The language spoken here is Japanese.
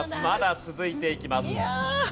まだ続いていきます。